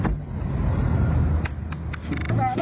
ข้างหน้าอีกซะบอร์ด